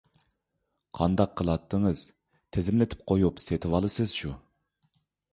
قانداق قىلاتتىڭىز؟ تىزىملىتىپ قويۇپ سېتىۋالىسىز شۇ.